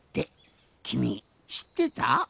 きみしってた？